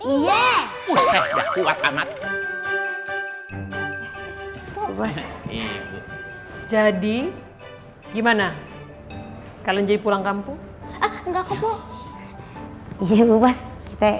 iya usah udah kuat amat jadi gimana kalian jadi pulang kampung enggak kepo iya luwet kita